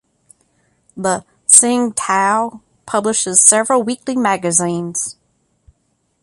The "Sing Tao" publishes several weekly magazines.